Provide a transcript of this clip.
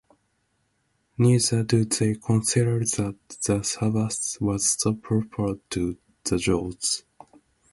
Neither do they consider that the Sabbath was so proper to the Jews.